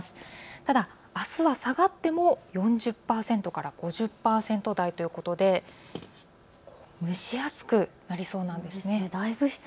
ただ、あすは下がっても４０％から５０％台ということで蒸し暑くなりそうなんです。